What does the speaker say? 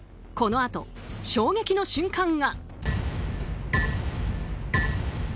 このあと衝撃の瞬間が。